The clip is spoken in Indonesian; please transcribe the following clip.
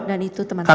dan itu teman teman